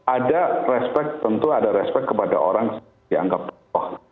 ada respect tentu ada respect kepada orang yang dianggap tokoh